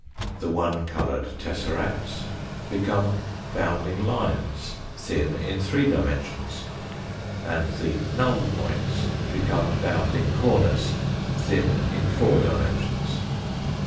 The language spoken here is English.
The one coloured tesseracts become bounding lines, thin in three dimensions, and the null points become bounding corners, thin in four dimensions.